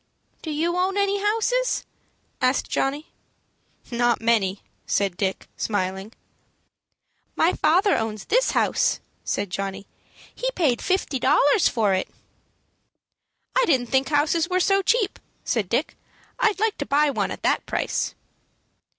"Do you own any houses?" asked Johnny. "Not many," said Dick, smiling. "My father owns this house," said Johnny, positively. "He paid fifty dollars for it." "I didn't think houses were so cheap," said Dick. "I'd like to buy one at that price."